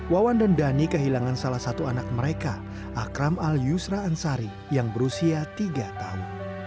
wawan dan dhani kehilangan salah satu anak mereka akram al yusra ansari yang berusia tiga tahun